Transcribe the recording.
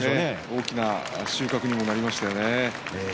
大きな収穫になりましたね。